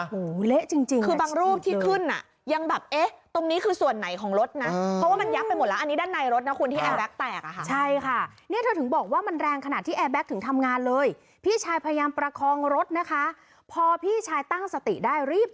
โหเละจริงคือบางรูปที่ขึ้นอ่ะยังแบบเอ๊ะตรงนี้คือส่วนไหนของรถนะ